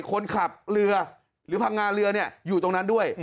คนขับเรือหรือพังงาเรืออยู่ตรงนั้นด้วย